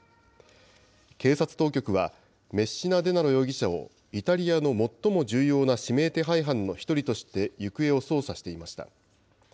警察当局は、メッシナデナロ容疑者を、イタリアの最も重要な指名手配犯の一人として行方を捜査していました。